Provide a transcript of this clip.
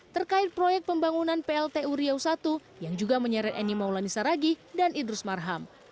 terkait proyek pembangunan plt uriau i yang juga menyeret eni maulani saragi dan idrus marham